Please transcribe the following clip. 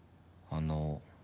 あの。